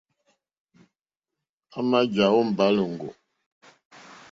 À mà jàwó mbáǃáŋɡó.